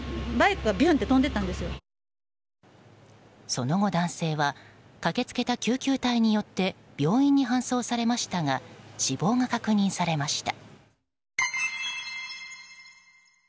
その後、男性は駆けつけた救急隊によって病院に搬送されましたが死亡が確認されました。